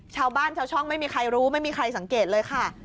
ชาวบ้านชาวช่องไม่มีใครรู้ไม่มีใครสังเกตเลยค่ะ